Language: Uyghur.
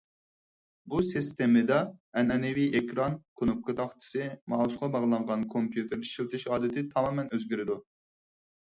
بۇ سىستېمىدا ئەنئەنىۋى ئېكران، كۇنۇپكا تاختىسى، مائۇسقا باغلانغان كومپيۇتېر ئىشلىتىش ئادىتى تامامەن ئۆزگىرىدۇ.